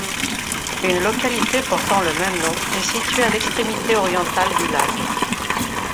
Une localité portant le même nom est située à l'extrémité orientale du lac.